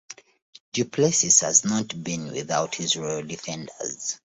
Duplessis has not been without his loyal defenders.